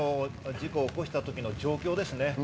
事故を起こした時の状況です。